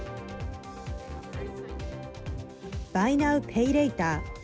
バイナウペイレイター。